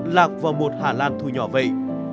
lạc vào một hà lan thui nhỏ vậy